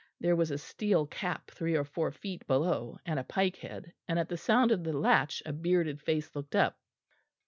There was a steel cap three or four feet below, and a pike head; and at the sound of the latch a bearded face looked up.